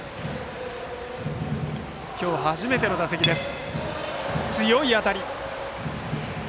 今日初めての打席です。